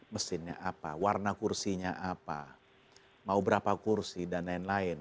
mesinnya apa warna kursinya apa mau berapa kursi dan lain lain